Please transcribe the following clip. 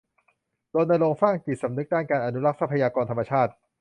รณรงค์สร้างจิตสำนึกด้านการอนุรักษ์ทรัพยากรธรรมชาติ